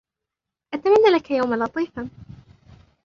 أتمنى لك يوماً لطيفاً.